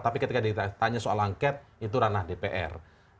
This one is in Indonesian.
tapi ketika ditanya soal angket itu ranah dpr